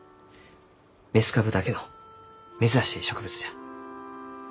雌株だけの珍しい植物じゃ。